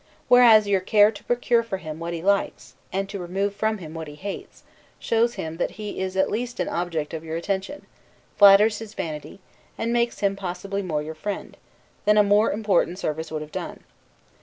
Whereas your care to procure for him what he likes, and to remove from him what he hates, shows him that he is at least an object of your attention; flatters his vanity, and makes him possibly more your friend, than a more important service would have done.